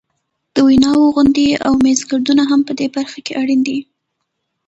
د ویناوو غونډې او میزګردونه هم په دې برخه کې اړین دي.